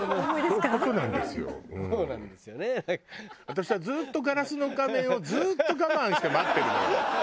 私はずっと『ガラスの仮面』をずーっと我慢して待ってるのよ。